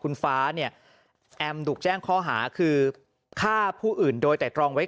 คุณฟ้าเนี่ยแอมถูกแจ้งข้อหาคือฆ่าผู้อื่นโดยไตรตรองไว้